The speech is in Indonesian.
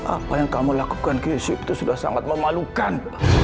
apa yang kamu lakukan yusuf itu sudah sangat memalukan